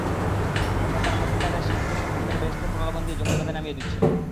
এখন তারা নতুন কায়দায় শিক্ষিত সন্তানদের বেহেশতের প্রলোভন দিয়ে জঙ্গিবাদে নামিয়ে দিচ্ছে।